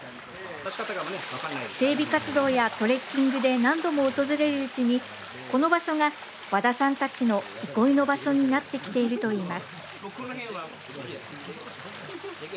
整備活動やトレッキングで何度も訪れるうちに、この場所が和田さんたちの憩いの場所になってきているといいます。